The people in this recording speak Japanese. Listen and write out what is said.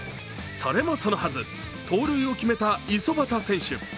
それもそのはず、盗塁を決めた五十幡選手